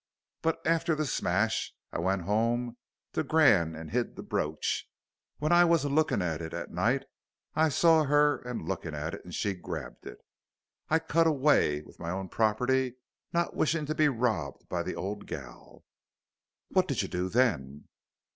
But arter the smash I went 'ome t' m' grann' and hid the brooch. W'en I wos a lookin' at it at night, I sawr 'er a lookin' at it, and she grabbed it. I cut away with m'own property, not wishin' to be robbed by the ole gal." "What did you do then?"